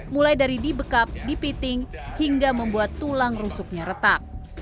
mulai dari dibekap dipiting hingga membuat tulang rusuknya retak